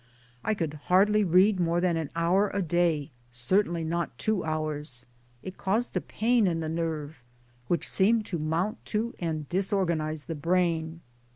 I could hardly read more than an hour a day certainly not two hours. It caused a pain in the nerve, which seemed to mount to and disorganize the brain.